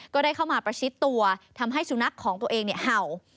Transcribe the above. ก็ได้เข้ามาประชิดตัวทำให้สุนัขของตัวเองเห่า